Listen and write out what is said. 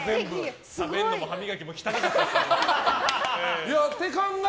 食べるのも歯磨きも汚かったですね。